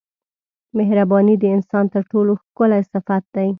مهرباني د انسان تر ټولو ښکلی صفت دی.